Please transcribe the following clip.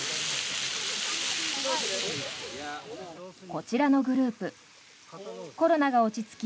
こちらのグループコロナが落ち着き